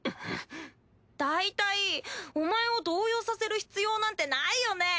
だいたいお前を動揺させる必要なんてないよねぇ？